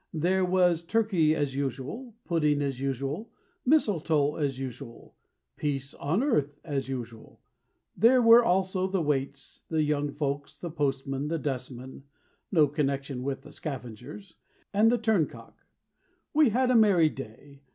There was turkey as usual, Pudding as usual, Mistletoe as usual, Peace on earth as usual. There were also the waits, The young folks, The postman, The dustman (No connection with the scavengers), And the turncock. We had a merry day.